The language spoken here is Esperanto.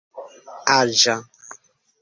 aĝa